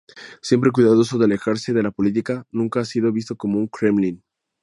Siempre cuidadoso de alejarse de la política, nunca ha sido visto como un Kremlin".